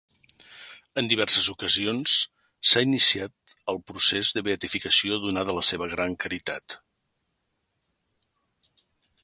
En diverses ocasions s'ha iniciat el seu procés de beatificació, donada la seva gran caritat.